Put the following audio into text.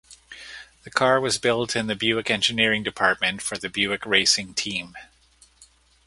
The car was built in the Buick Engineering department for the Buick Racing Team.